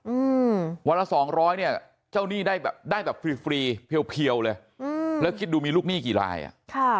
อืมวันละสองร้อยเนี้ยเจ้าหนี้ได้แบบได้แบบฟรีฟรีเพียวเพียวเลยอืมแล้วคิดดูมีลูกหนี้กี่ลายอ่ะค่ะ